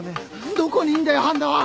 どこにいんだよ半田は！